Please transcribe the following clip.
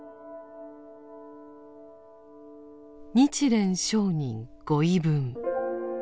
「日蓮聖人御遺文」。